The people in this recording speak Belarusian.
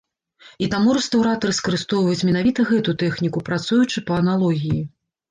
І таму рэстаўратары скарыстоўваюць менавіта гэту тэхніку, працуючы па аналогіі.